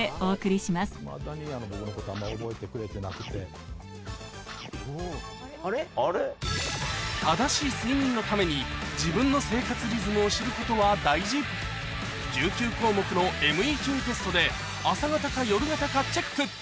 実は正しい睡眠のために自分の生活リズムを知ることは大事１９項目のＭＥＱテストで朝型か夜型かチェック